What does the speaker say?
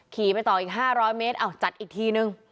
ขี่ไปต่ออีก๕๐๐มจัดอีก๑ที